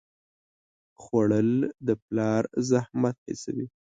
خوړل د پلار زحمت حسوي